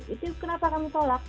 itu kenapa kami tolak